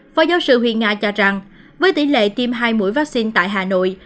phó giáo sư huyền nga cho rằng với tỷ lệ tiêm hai mũi vaccine tại hà nội